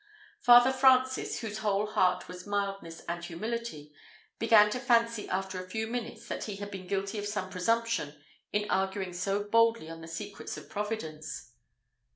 Father Francis, whose whole heart was mildness and humility, began to fancy after a few minutes that he had been guilty of some presumption in arguing so boldly on the secrets of Providence.